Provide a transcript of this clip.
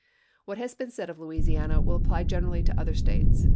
What has been said of Louisiana will apply generally to other States.